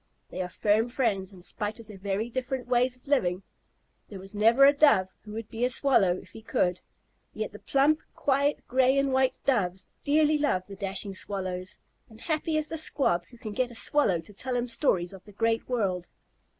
They are firm friends in spite of their very different ways of living. There was never a Dove who would be a Swallow if he could, yet the plump, quiet, gray and white Doves dearly love the dashing Swallows, and happy is the Squab who can get a Swallow to tell him stories of the great world.